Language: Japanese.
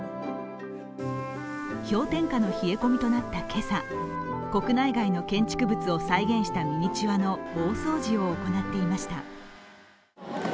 氷点下の冷え込みとなった今朝、国内外の建築物を再現したミニチュアの大掃除を行っていました。